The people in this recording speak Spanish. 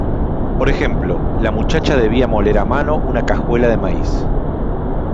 Por ejemplo; la muchacha debía moler a mano una cajuela de maíz.